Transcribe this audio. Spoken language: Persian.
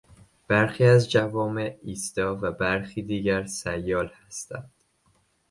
برخی از جوامع ایستا و برخی دیگر سیال هستند.